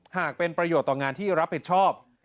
หากเป็นประโยชน์ต่องานที่รับผิดชอบ